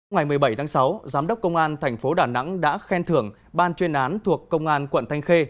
ngày một mươi bảy tháng sáu giám đốc công an thành phố đà nẵng đã khen thưởng ban chuyên án thuộc công an quận thanh khê